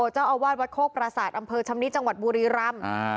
เจ้าอาวาสวัดโคกประสาทอำเภอชำนิจังหวัดบุรีรำ